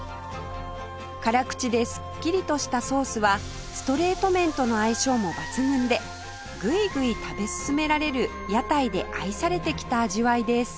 辛口でスッキリとしたソースはストレート麺との相性も抜群でグイグイ食べ進められる屋台で愛されてきた味わいです